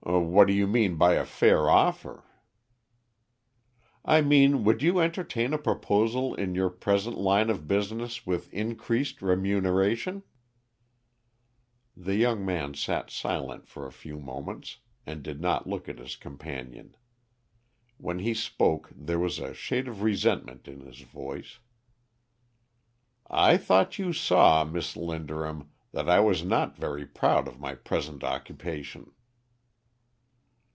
"What do you mean by a fair offer?" "I mean, would you entertain a proposal in your present line of business with increased remuneration?" The young man sat silent for a few moments and did not look at his companion. When he spoke there was a shade of resentment in his voice. "I thought you saw, Miss Linderham, that I was not very proud of my present occupation."